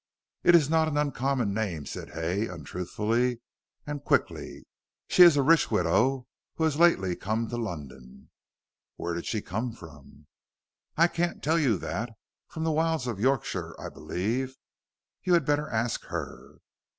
"It's not an uncommon name," said Hay, untruthfully and quickly. "She is a rich widow who has lately come to London." "Where did she come from?" "I can't tell you that. From the wilds of Yorkshire I believe. You had better ask her."